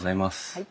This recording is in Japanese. はい。